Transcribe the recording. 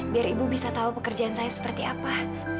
biar ibu bisa tahu pekerjaan saya seperti apa